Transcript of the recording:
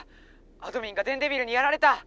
あどミンが電デビルにやられた！」。